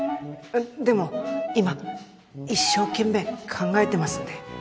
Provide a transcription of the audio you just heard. でも今一生懸命考えてますんで。